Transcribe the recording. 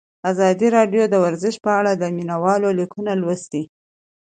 ازادي راډیو د ورزش په اړه د مینه والو لیکونه لوستي.